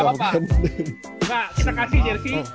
gak kita kasih jersey